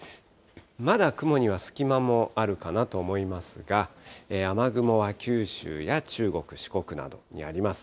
まだ雲には隙間もあるかなと思いますが、雨雲は九州や中国、四国などにあります。